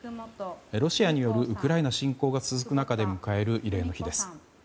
ロシアによるウクライナ侵攻が続く中で迎える慰霊の日です。